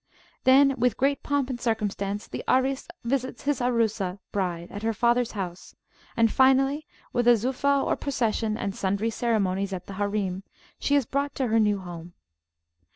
Then, with great pomp and circumstance, the Aris visits his Arusah (bride) at her fathers house; and finally, with a Zuffah or procession and sundry ceremonies at the Harim, she is brought to her new home.